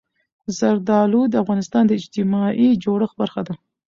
زردالو د افغانستان د اجتماعي جوړښت برخه ده.